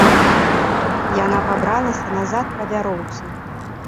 Яна пабралася назад па вяроўцы.